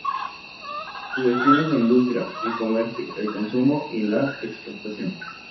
Su destino es la industria, el comercio, el consumo y la exportación.